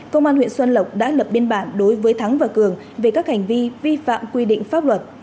công an huyện xuân lộc đã lập biên bản đối với thắng và cường về các hành vi vi phạm quy định pháp luật